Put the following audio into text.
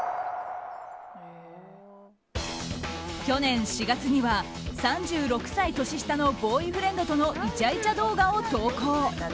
去年４月には３６歳年下のボーイフレンドとのイチャイチャ動画を投稿。